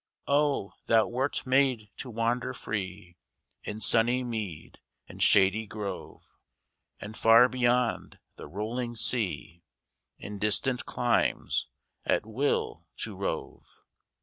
Oh, thou wert made to wander free In sunny mead and shady grove, And far beyond the rolling sea, In distant climes, at will to rove!